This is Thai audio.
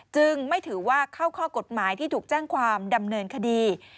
จึงไม่ถือว่าเข้าข้อกฎหมายที่ถูกแจ้งความดำเนินคดี